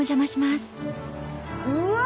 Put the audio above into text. うわ！